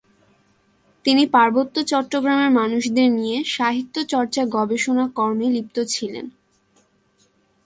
তিনি পার্বত্য চট্টগ্রামের মানুষদের নিয়ে সাহিত্যচর্চা গবেষণা কর্মে লিপ্ত ছিলেন তিনি।